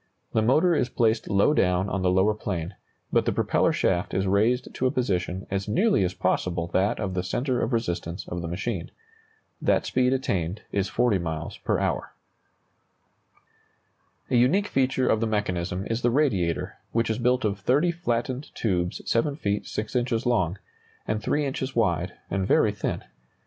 The motor is placed low down on the lower plane, but the propeller shaft is raised to a position as nearly as possible that of the centre of resistance of the machine. The speed attained is 40 miles per hour. [Illustration: The McCurdy biplane, "Baddeck No. 2."] A unique feature of the mechanism is the radiator, which is built of 30 flattened tubes 7 feet 6 inches long, and 3 inches wide, and very thin.